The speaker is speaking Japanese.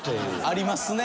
ありますね。